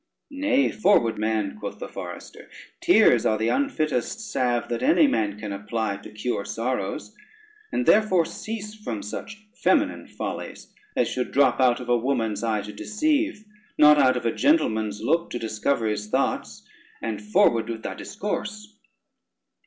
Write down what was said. "Nay, forward man," quoth the forester, "tears are the unfittest salve that any man can apply for to cure sorrows, and therefore cease from such feminine follies, as should drop out of a woman's eye to deceive, not out of a gentleman's look to discover his thoughts, and forward with thy discourse."